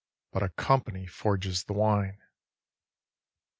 – but a company forges the wine.